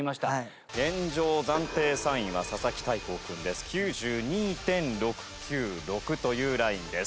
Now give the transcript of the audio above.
現状暫定３位は佐々木大光くんです。９２．６９６というラインです。